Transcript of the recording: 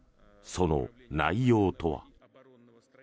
その内容とは。